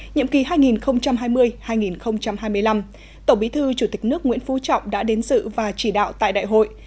nhiệm kỳ hai nghìn hai mươi hai nghìn hai mươi năm tổng bí thư chủ tịch nước nguyễn phú trọng đã đến sự và chỉ đạo tại đại hội